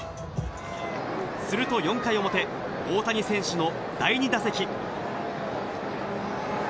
すると４回表、大谷選手の第２打席。